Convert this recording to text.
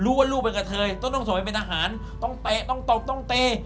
ลูกว่าลูกเป็นกะเทยต้องส่งไปเป็นทหารต้องเตะต้องตบต้องตี